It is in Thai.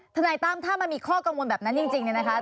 ทนายตั้มถ้ามันมีข้อกังวลแบบนั้นจริงเนี่ยนะคะ